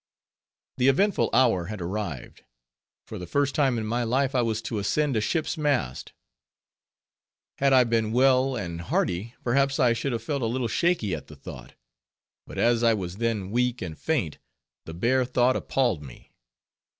The eventful hour had arrived; for the first time in my life I was to ascend a ship's mast. Had I been well and hearty, perhaps I should have felt a little shaky at the thought; but as I was then, weak and faint, the bare thought appalled me.